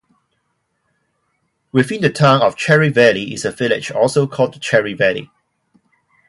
Within the Town of Cherry Valley is a village, also called Cherry Valley.